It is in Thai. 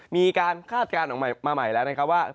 คาดการณ์ออกมาใหม่แล้วนะครับว่า